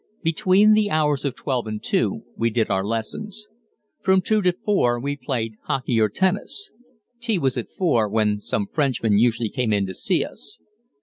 Between the hours of twelve and two we did our lessons. From two till four we played hockey or tennis. Tea was at four, when some Frenchmen usually came in to see us.